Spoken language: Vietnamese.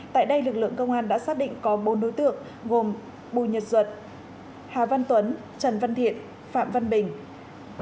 tại đây lực lượng công an đã xác định có bốn đối tượng gồm bùi nhật duật hà văn tuấn trần văn thiện phạm văn bình